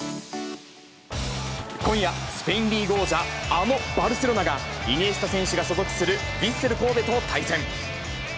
今夜、スペインリーグ王者、あのバルセロナが、イニエスタ選手が所属するヴィッセル神戸と対戦。